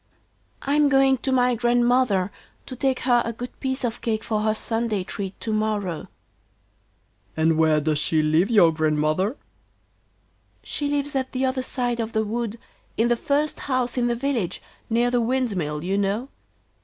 'I am going to my Grandmother, to take her a good piece of cake for her Sunday treat to morrow.' 'And where does she live, your Grandmother?' 'She lives at the other side of the wood, in the first house in the village, near the windmill, you know.